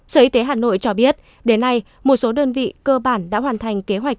sở y tế hà nội cho biết đến nay một số đơn vị cơ bản đã hoàn thành kế hoạch